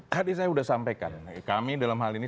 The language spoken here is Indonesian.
tadi saya sudah sampaikan kami dalam hal ini